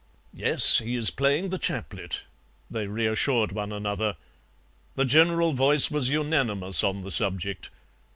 "'Yes, he is playing "The Chaplet,"' they reassured one another. The general voice was unanimous on the subject.